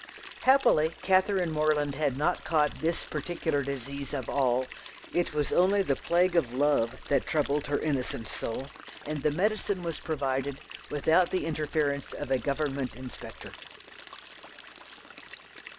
Happily Catherine Morland had not caught this particular disease of all it was only the plague of love that troubled her innocent soul, and the medicine was provided without the interference of a Government inspector.